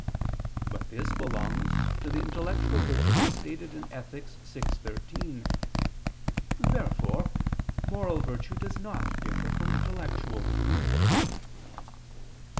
But this belongs to the intellectual virtues, as stated in Ethic. vi, 13. Therefore moral virtue does not differ from intellectual.